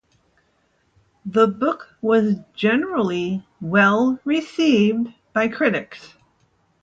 The book was generally well received by critics.